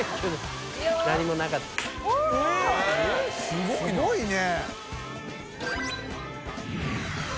すごいね。